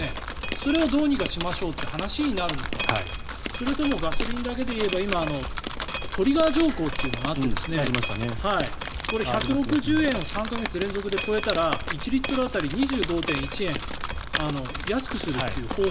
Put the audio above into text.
それをどうにかしましょうっていう話になるのかそれともガソリンだけで言えば今トリガー条項というのがあってこれ、１６０円を３か月連続で超えたら１リットル当たり２５．１円安くするっていう。